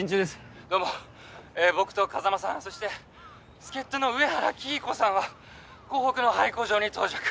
どうも僕と風真さんそして助っ人の上原黄以子さんは港北の廃工場に到着。